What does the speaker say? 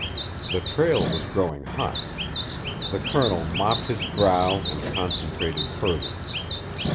The trail was growing hot; the Colonel mopped his brow and concentrated further.